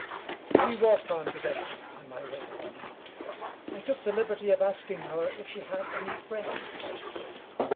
We walked on together, on my way home. I took the liberty of asking her if she had any friends.